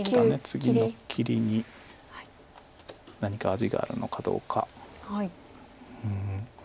ツギの切りに何か味があるのかどうか。